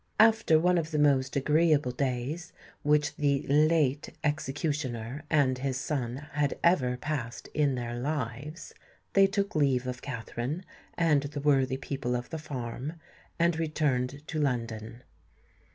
After one of the most agreeable days which the late executioner and his son had ever passed in their lives, they took leave of Katherine and the worthy people of the farm, and returned to London.